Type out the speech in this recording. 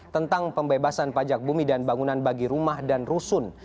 tentang pembebasan pajak bumi dan bangunan bagi rumah dan rusun